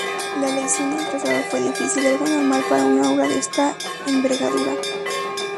La elección del trazado fue difícil, algo normal para una obra de esta envergadura.